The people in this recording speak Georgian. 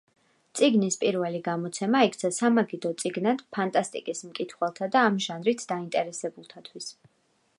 წიგნის პირველი გამოცემა იქცა სამაგიდო წიგნად ფანტასტიკის მკითხველთა და ამ ჟანრით დაინტერესებულთათვის.